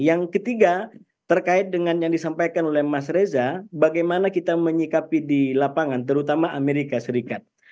yang ketiga terkait dengan yang disampaikan oleh mas reza bagaimana kita menyikapi di lapangan terutama amerika serikat